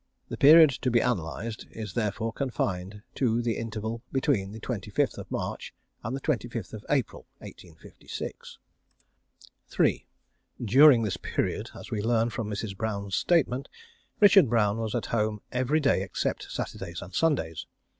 The period to be analysed is therefore confined to the interval between the 25th March and the 25th April, 1856. 3. During this period, as we learn from Mrs. Brown's statement, Richard Brown was at home every day except Saturdays and Sundays.